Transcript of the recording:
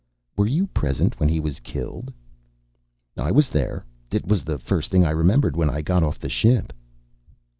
"Were you present when he was killed?" "I was there. It was the first thing I remembered when I got off the ship."